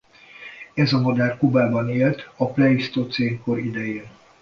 Ez a madár Kubában élt a pleisztocén kor idején.